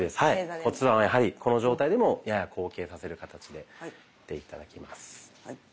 骨盤はやはりこの状態でもやや後傾させる形でやって頂きます。